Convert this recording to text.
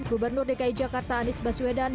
gubernur dki jakarta anies baswedan